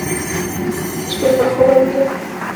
د شپې لپاره خوب اړین دی